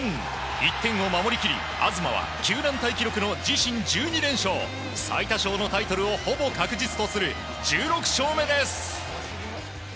１点を守りきり東は球団タイ記録の自身１２連勝最多勝のタイトルをほぼ確実とする１６勝目です。